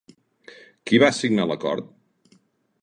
Qui va signar l'acord?